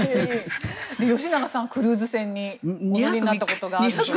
吉永さん、クルーズ船にお乗りになったことがあると。